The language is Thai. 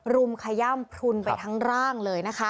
รุมขย่ำพลุนไปทั้งร่างเลยนะคะ